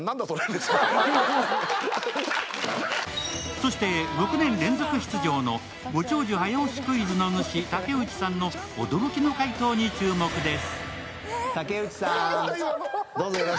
そして６年連続出場の「ご長寿早押しクイズ」の主、竹内さんの驚きの解答に注目です。